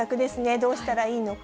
どうしたらいいのか。